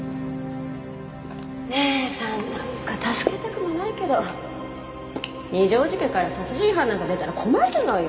姉さんなんか助けたくもないけど二条路家から殺人犯なんか出たら困るのよ